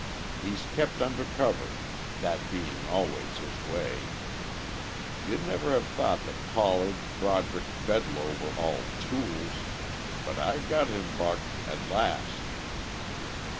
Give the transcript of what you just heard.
He's kept under cover, that being always his way; you'd never have thought that Pollard, Broderick, Bedloe were all tools.... But, I got him, Buck. At last."